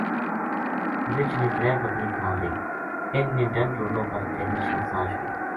رچھ نے ترے بکری کھا لئی انھ نے ڈنڈ رولو کر کے رچھ نسا چھُڑیو